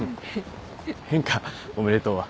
変かおめでとうは。